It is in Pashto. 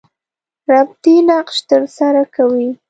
ربطي نقش تر سره کوي.